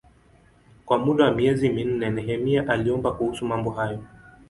Kwa muda wa miezi minne Nehemia aliomba kuhusu mambo hayo.